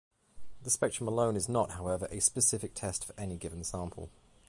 The spectrum alone is not, however, a specific test for any given sample.